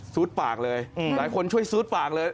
ปากเลยหลายคนช่วยซูดปากเลย